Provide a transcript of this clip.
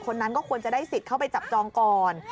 คนนั้นก็ควรจะได้สิทธิ์เข้าไปจับจองก่อน